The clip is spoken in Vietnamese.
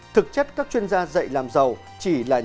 thực chất các chuyên gia dạy làm giàu chỉ là những